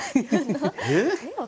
えっ？